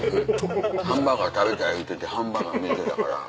ハンバーガー食べたい言うててハンバーガー見えてたから。